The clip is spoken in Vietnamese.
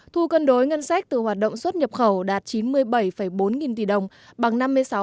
thu cân đối ngân sách từ hoạt động xuất nhập khẩu đạt chín mươi bảy bốn nghìn tỷ đồng bằng năm mươi sáu